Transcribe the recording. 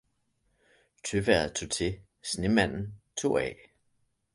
Tøvejret tog til, snemanden tog af